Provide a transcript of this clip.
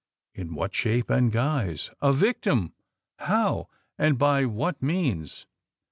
In what shape and guise? A victim? How, and by what means?